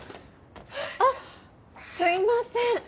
あっすいません。